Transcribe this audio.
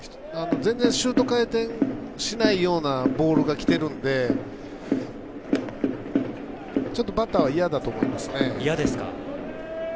全然、シュート回転しないようなボールがきてるんでちょっとバッターは嫌だと思います。